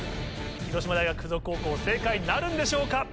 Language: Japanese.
広島大学附属高校正解なるんでしょうか？